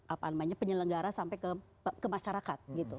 apa namanya penyelenggara sampai ke masyarakat gitu